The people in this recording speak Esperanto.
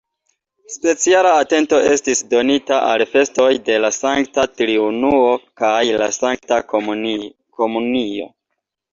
Speciala atento estis donita al festoj de la Sankta Triunuo kaj la Sankta Komunio.